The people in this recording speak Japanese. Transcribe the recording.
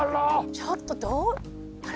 ちょっとあら！